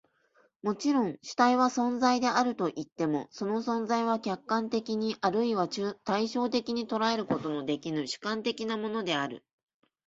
もちろん、主体は存在であるといっても、その存在は客観的に或いは対象的に捉えることのできぬ主観的なものである。